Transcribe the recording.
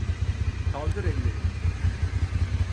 Kaldır ellerini!